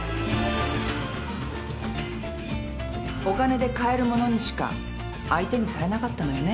お金で買える物にしか相手にされなかったのよね？